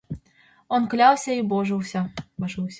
Он клялся и божился